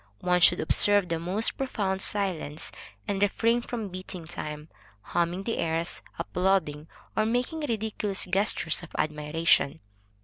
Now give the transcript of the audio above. One should observe the most profound silence, and refrain from beating time, humming the airs, applauding, or making ridiculous gestures of admiration.